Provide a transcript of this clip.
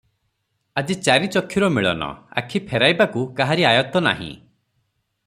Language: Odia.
ଆଜି ଚାରି ଚକ୍ଷୁର ମିଳନ, ଆଖି ଫେରାଇବାକୁ କାହାରି ଆୟତ୍ତ ନାହିଁ।